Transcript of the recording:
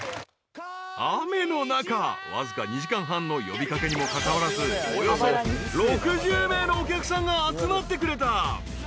［雨の中わずか２時間半の呼び掛けにもかかわらずおよそ６０名のお客さんが集まってくれた］